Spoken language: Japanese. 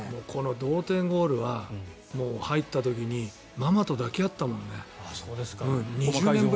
同点ゴールは入った時にママと抱き合ったもんね。